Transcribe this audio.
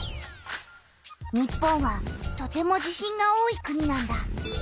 日本はとても地震が多い国なんだ。